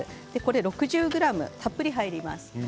６０ｇたっぷり入ります。